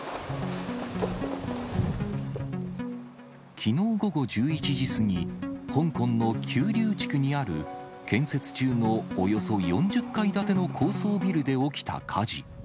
きのう午後１１時過ぎ、香港の九龍地区にある建設中のおよそ４０階建ての高層ビルで起きた火事。